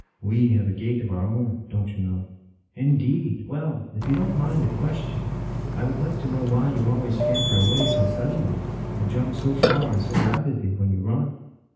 We have a gait of our own, don t you know ?"" Indeed ! Well, if you don t mind a question, I would like to know why you always scamper away so suddenly, and jump so far and so rapidly when you run."